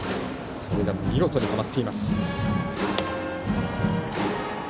それが見事に、はまっています。